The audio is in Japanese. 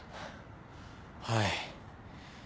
はい。